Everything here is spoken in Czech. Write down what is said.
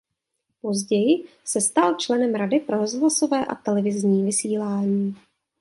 Později se stal členem Rady pro rozhlasové a televizní vysílání.